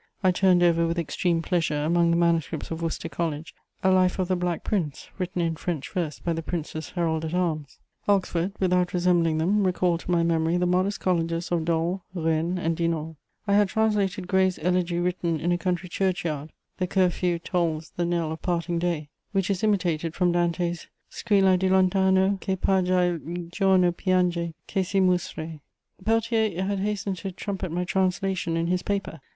I turned over with extreme pleasure, among the manuscripts of Worcester College, a life of the Black Prince, written in French verse by the Prince's herald at arms. Oxford, without resembling them, recalled to my memory the modest Colleges of Dol, Rennes and Dinan. I had translated Gray's Elegy written in a Country Church yard: The curfew tolls the knell of parting day, which is imitated from Dante's Squilla di lontano Che paja'l giorno pianger che si musre. [Sidenote: Oxford.] Peltier had hastened to trumpet my translation in his paper.